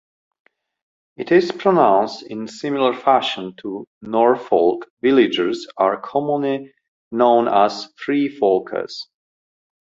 It is pronounced in similar fashion to Norfolk, villagers are commonly known as Freefolkers.